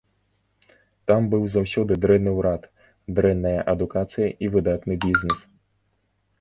Там быў заўсёды дрэнны ўрад, дрэнная адукацыя і выдатны бізнэс.